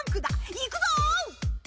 いくぞ！